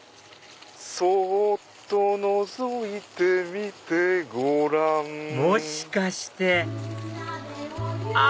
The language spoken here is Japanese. そっとのぞいてみてごらんもしかしてあ！